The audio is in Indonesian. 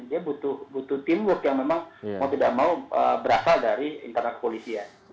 dia butuh teamwork yang memang mau tidak mau berasal dari internal kepolisian